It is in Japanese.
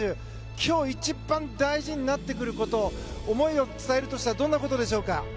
今日一番大事になってくること思いを伝えるとしたらどんなことでしょうか？